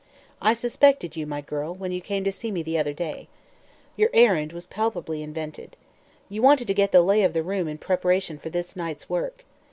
I suspected you, my girl, when you came to see me the other day. Your errand was palpably invented. You wanted to get the lay of the room, in preparation for this night's work.